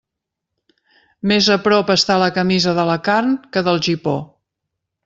Més a prop està la camisa de la carn que del gipó.